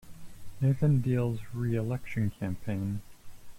Nathan Deal's re-election campaign.